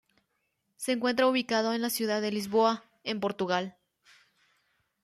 Se encuentra ubicado en la ciudad de Lisboa, en Portugal.